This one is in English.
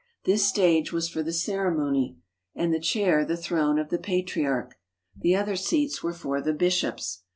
This stage was for the ceremony, and the chair the throne of the Patriarch. The other seats were for the bishops.